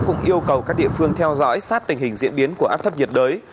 cũng yêu cầu các địa phương theo dõi sát tình hình diễn biến của áp thấp nhiệt đới